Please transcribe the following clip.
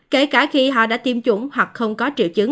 kể cả khi họ đã tiêm chủng hoặc không có triệu chứng